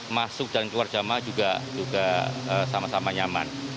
masuk dan keluar jemaah juga sama sama nyaman